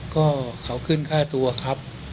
ก็เขาขึ้นค่าตัวครับ